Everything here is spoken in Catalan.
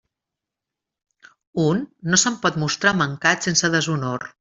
Un no se'n pot mostrar mancat sense deshonor.